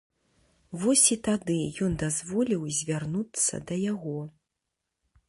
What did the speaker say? Вось і тады ён дазволіў звярнуцца да яго.